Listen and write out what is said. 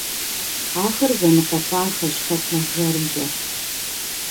Ахэр зэныкъуэкъуахэщ хэт нэхъ жэрымкӀэ.